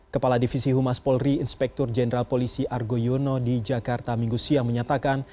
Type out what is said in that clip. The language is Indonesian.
kepala divisi humas polri inspektur jenderal polisi argo yono di jakarta minggu siang menyatakan